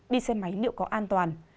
đi xe máy liệu có an toàn